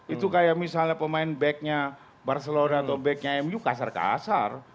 itu kayak misalnya pemain backnya barcelona atau backnya mu kasar kasar